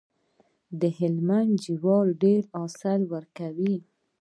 د هلمند جوار ډیر حاصل ورکوي.